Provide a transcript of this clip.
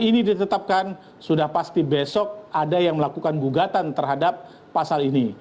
ini ditetapkan sudah pasti besok ada yang melakukan gugatan terhadap pasal ini